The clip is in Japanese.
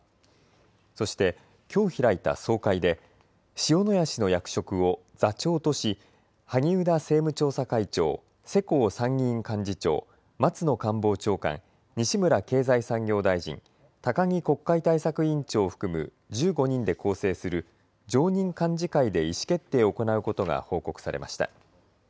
そしてきょう開いた総会で塩谷氏の役職を座長とし萩生田政務調査会長、世耕参議院幹事長、松野官房長官、西村経済産業大臣、高木国会対策委員長を含む１５人で構成する常任幹事会で意思決定を行うことが報告されました。